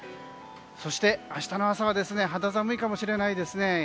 そして明日の朝は肌寒いかもしれないですね。